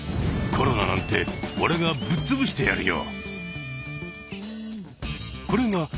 「コロナなんか俺がぶっ潰してやるよ」